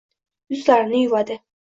Yuzlarini yuvadi.